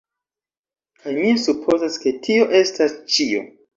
Kaj mi supozas ke tio estas ĉio.